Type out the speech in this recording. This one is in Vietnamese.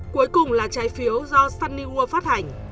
cuối cùng là trái phiếu do sunny world phát hành